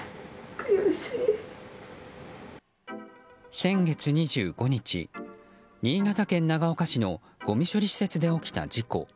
先月２５日、新潟県長岡市のごみ処理施設で起きた事故。